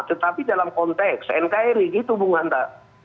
tetapi dalam konteks nkri gitu bung hanta